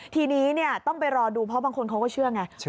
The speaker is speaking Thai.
ทีนี้ต้องไปรอดูเพราะบางคนเขาก็เชื่อไง